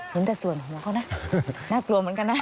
เห็นแต่ส่วนหัวเขานะน่ากลัวเหมือนกันนะ